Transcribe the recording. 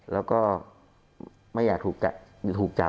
แล้วก็ไม่อยากถูกตัดหยักครรภาพบ้าน